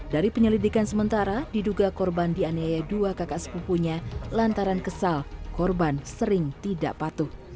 dari penyelidikan sementara diduga korban dianiaya dua kakak sepupunya lantaran kesal korban sering tidak patuh